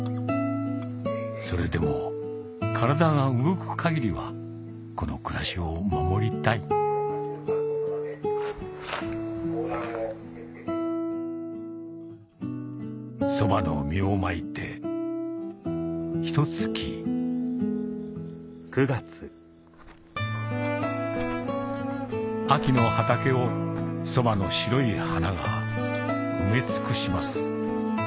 それでも体が動く限りはこの暮らしを守りたいソバの実をまいてひと月秋の畑をソバの白い花が埋め尽くします